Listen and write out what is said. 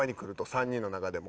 ３人の中でも。